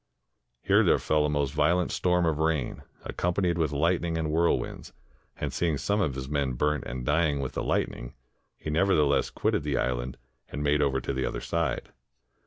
Here there fell a most violent storm of rain, accompanied with lightning and whirlwinds, and seeing some of his men burnt and dying with the lightning, he nevertheless quitted the island and made over to the other side.